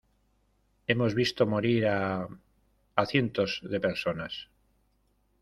hemos visto morir a... a cientos de personas .